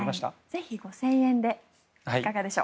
ぜひ５０００円でいかがでしょう。